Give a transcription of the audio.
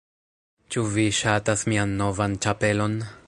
Ĉu vi ŝatas mian novan ĉapelon?